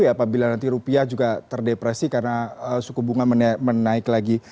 apabila nanti rupiah juga terdepresi karena suku bunga menaik lagi